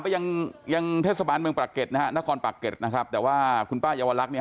ไปยังเทศบาลเบื้องปรักเก็ตนะครับแต่ว่าคุณป้ายาวรักษ์นี่